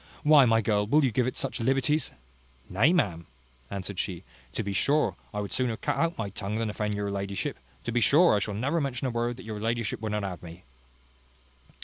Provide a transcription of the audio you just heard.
Why, my girl, will you give it such liberties?" "Nay, ma'am," answered she, "to be sure, I would sooner cut out my tongue than offend your ladyship. To be sure I shall never mention a word that your ladyship would not have me."